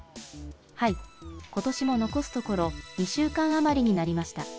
ことしも残すところ２週間余りになりました。